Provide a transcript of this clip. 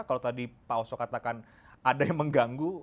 kalau tadi pak oso katakan ada yang mengganggu